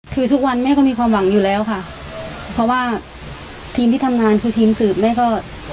คือทุกวันแม่ก็มีความหวังอยู่แล้วค่ะเพราะว่าทีมที่ทำงานคือทีมสืบแม่ก็